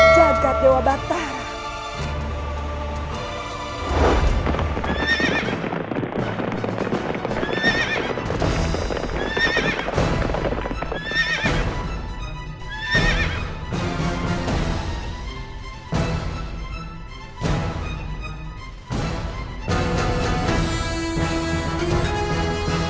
dan kami tidak tahu apa kesalahan kami